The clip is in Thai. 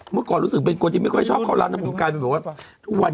เมื่อก่อนรู้สึกเป็นคนที่ไม่ค่อยชอบเข้าร้านนะผมกลายเป็นแบบว่าทุกวัน